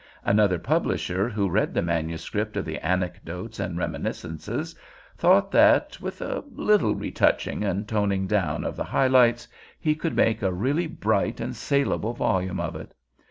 Another publisher who read the manuscript of the Anecdotes and Reminiscences thought that, with a little retouching and toning down of the high lights, he could make a really bright and salable volume of it.